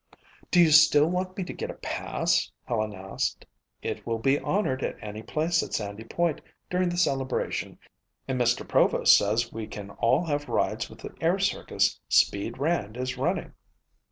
"Do you still want me to get a pass?" Helen asked. "It will be honored any place at Sandy Point during the celebration and Mr. Provost says we can all have rides with the air circus 'Speed' Rand is running."